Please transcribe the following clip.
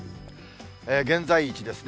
現在位置ですね。